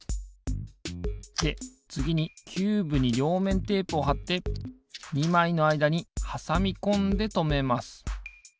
でつぎにキューブにりょうめんテープをはって２まいのあいだにはさみこんでとめます。